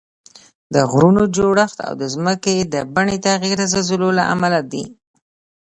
د غرونو جوړښت او د ځمکې د بڼې تغییر د زلزلو له امله دي